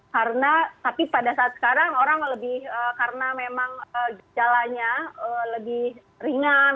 karena tapi pada saat sekarang orang lebih karena memang gejalanya lebih ringan